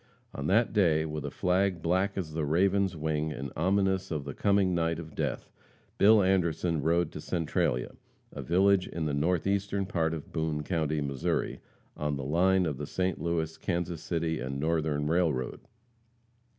On that day, with a flag black as the raven's wing, and ominous of the coming night of death, Bill Anderson rode to Centralia, a village in the northeastern part of Boone county, Mo., on the line of the St. Louis, Kansas City and Northern Railroad.